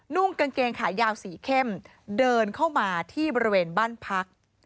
่งกางเกงขายาวสีเข้มเดินเข้ามาที่บริเวณบ้านพัก